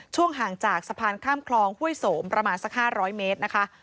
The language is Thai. ห่างจากสะพานข้ามคลองห้วยโสมประมาณสัก๕๐๐เมตรนะคะ